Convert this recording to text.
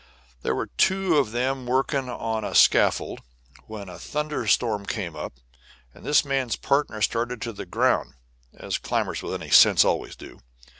There were two of them working on a scaffolding when a thunder storm came up, and this man's partner started for the ground, as climbers with any sense always do.